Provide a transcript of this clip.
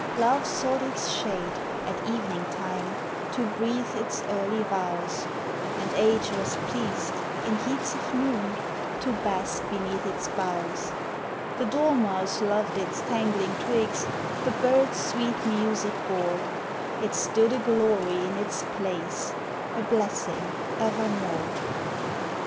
Love sought its shade, at evening time, to breath its early vows; And age was pleased, in heats of noon, to bask beneath its boughs; The dormouse loved its dangling twigs, the birds sweet music bore; It stood a glory in its place, a blessing evermore.